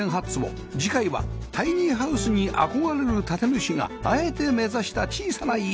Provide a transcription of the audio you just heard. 次回はタイニーハウスに憧れる建主があえて目指した小さな家